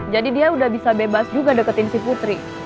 jadi dia udah bisa bebas juga deketin putri